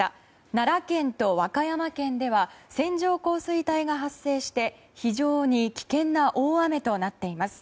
奈良県と和歌山県では線状降水帯が発生して非常に危険な大雨となっています。